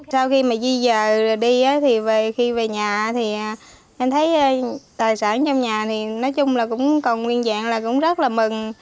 sau khi mà di dời rồi đi thì khi về nhà thì em thấy tài sản trong nhà thì nói chung là cũng còn nguyên dạng là cũng rất là mừng